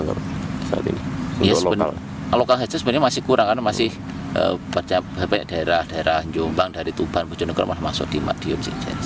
ya sebenarnya lokal saja masih kurang karena masih banyak daerah daerah jombang dari tuban bucunegara masuk ke madiun